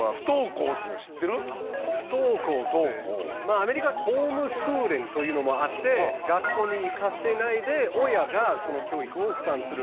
アメリカホームスクリーングというのもあって学校に行かせないで親がその教育を負担する。